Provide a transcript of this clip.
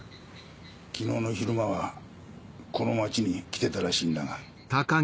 昨日の昼間はこの街に来てたらしいんだが。